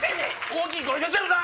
大きい声出てるな！